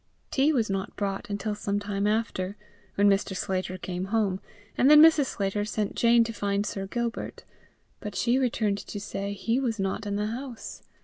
Tea was not brought until some time after, when Mr. Sclater came home, and then Mrs. Sclater sent Jane to find Sir Gilbert; but she returned to say he was not in the house.